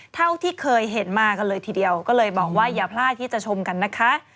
เท่าที่เคยเห็นมากันเลยทีเดียวก็เลยบอกว่าอย่าพลาดที่จะชมกันนะคะ